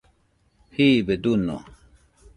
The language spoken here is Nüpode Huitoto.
jibe duño